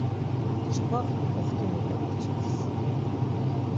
Çkva oxtimu domiç̌irs.